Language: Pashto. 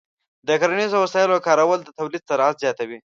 د کرنیزو وسایلو کارول د تولید سرعت زیاتوي.